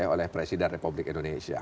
oleh presiden republik indonesia